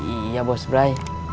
iya bos brai